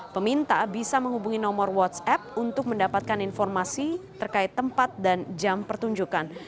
peminta bisa menghubungi nomor whatsapp untuk mendapatkan informasi terkait tempat dan jam pertunjukan